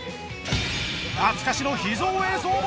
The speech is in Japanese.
懐かしの秘蔵映像も！